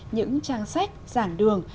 những trang sách giảng đường